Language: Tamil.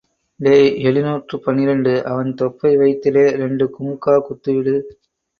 டேய் எழுநூற்று பனிரண்டு , அவன் தொப்பை வயித்திலே ரெண்டு கும்கா குத்து விடு.